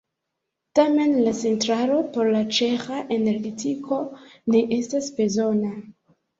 Tamen la centralo por la ĉeĥa energetiko ne estas bezona.